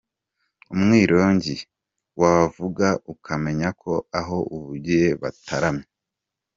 Umwirongi wavuga ukamenya ko aho uvugiye bataramye.